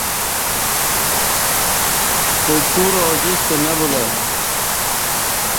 تہ کور ا جستہ نہ بلہ ای